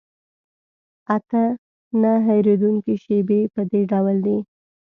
اته نه هېرېدونکي شیبې په دې ډول دي.